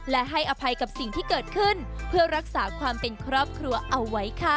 และให้อภัยกับสิ่งที่เกิดขึ้นเพื่อรักษาความเป็นครอบครัวเอาไว้ค่ะ